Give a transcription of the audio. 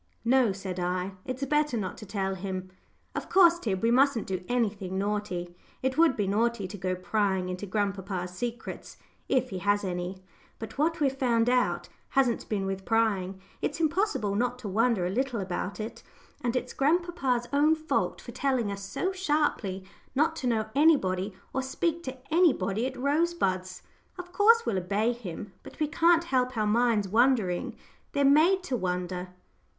"No," said I; "it's better not to tell him. Of course, Tib, we mustn't do anything naughty. It would be naughty to go prying into grandpapa's secrets, if he has any. But what we've found out hasn't been with prying. It's impossible not to wonder a little about it. And it's grandpapa's own fault for telling us so sharply not to know anybody or speak to anybody at Rosebuds. Of course, we'll obey him, but we can't help our minds wondering they're made to wonder."